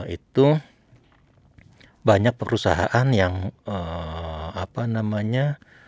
itu banyak perusahaan yang apa namanya